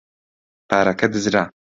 پارەکە دزرا.